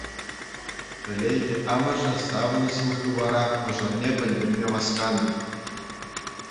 Телейлӗ амӑшӗ савӑнӑҫлӑ хыпара мӑшӑрне пӗлтерме васканӑ.